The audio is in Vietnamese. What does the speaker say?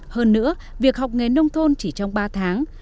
hơn nữa việc học nghề nông thôn chỉ trong ba tháng